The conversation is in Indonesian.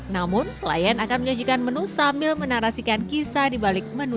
namun klien akan menyajikan menu sambil menarasikan kisah di balik menu